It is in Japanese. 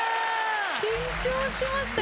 緊張しました。